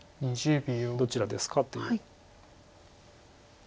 どちらですかという。